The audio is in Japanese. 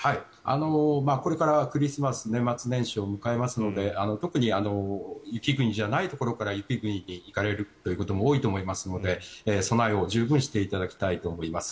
これからクリスマス年末年始を迎えますので特に雪国じゃないところから雪国に行かれる方も多いと思いますので、備えを十分していただきたいと思います。